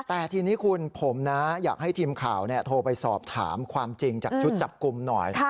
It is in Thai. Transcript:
แต่ทีนี้คุณผมนะอยากให้ทีมข่าวโทรไปสอบถามความจริงจากชุดจับกลุ่มหน่อย